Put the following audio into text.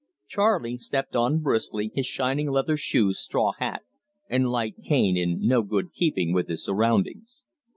Charley stepped on briskly, his shining leather shoes, straw hat, and light cane in no good keeping with his surroundings.